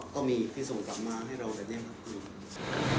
ก็มีที่ส่งกลับมาให้เรากันเนี่ยครับคุณพุทธ